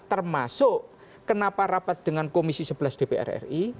termasuk kenapa rapat dengan komisi sebelas dpr ri